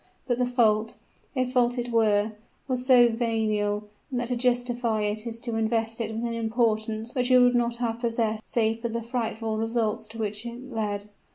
But the fault if fault it were was so venial, that to justify it is to invest it with an importance which it would not have possessed save for the frightful results to which it led.